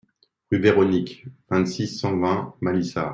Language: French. Rue Véronique, vingt-six, cent vingt Malissard